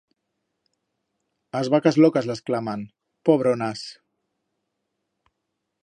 As vacas locas las claman, pobronas!